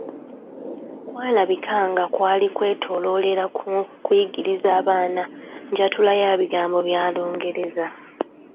Kwalabika nga kwali kwetoloololera ku kuyigiriza abaana njatula ya bigambo bya Lungereza.